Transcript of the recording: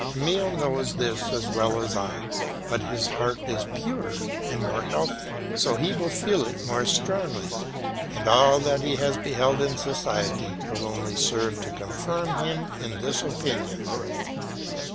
Emile knows this as well as I, but his heart is purer and more healthy, so he will feel it more strongly, and all that he has beheld in society will only serve to confirm him in this opinion.